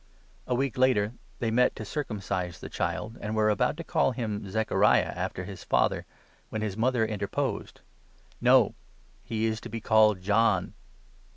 A week later they met to circumcise 59 the child, and were about to call him ' Zechariah ' after his father, when his mother interposed : 60 " No, he is to be called John."